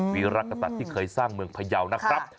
วิรักษ์กษัตริย์ที่เคยสร้างเมืองพยาวนะครับ